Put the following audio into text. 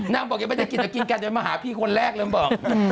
นางบอกยังไม่ได้กินแต่กินกันโดยมาหาพี่คนแรกเลยมันบอก